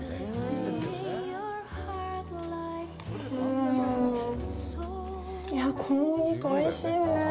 いやぁ、このお肉、おいしいよね。